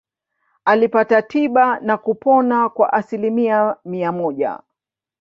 Alipata tiba na kupona kwa asilimia mia moja.